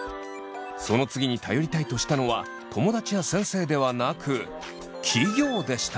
その次に頼りたいとしたのは友達や先生ではなく企業でした。